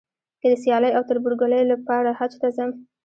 که د سیالۍ او تربورګلوۍ لپاره حج ته ځم.